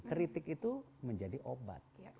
kritik itu menjadi obat